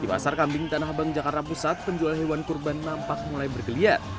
di pasar kambing tanah abang jakarta pusat penjual hewan kurban nampak mulai bergeliat